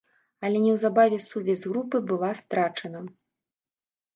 Але неўзабаве сувязь з групай была страчана.